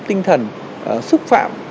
tinh thần xúc phạm